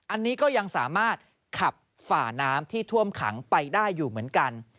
อันนี้ก็ยังสามารถขับฝ่าน้ำที่ท่วมขังไปได้อยู่เหมือนกัน